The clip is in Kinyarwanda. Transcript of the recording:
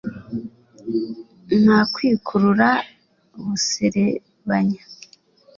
Ntakwikurura buserebanya